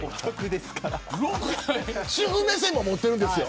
主婦目線も持ってるんですよ。